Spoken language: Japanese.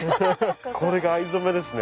これが藍染めですね。